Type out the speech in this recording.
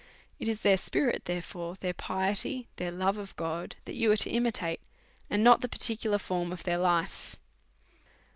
« It is their spirit, therefore, their piety, their love of ./juJU I God, that you are to imitate, and not the particular ^( form of their life.